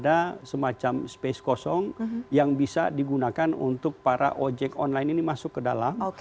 nah kami harapkan itu ada semacam space kosong yang bisa digunakan untuk para ojek online ini masuk ke dalam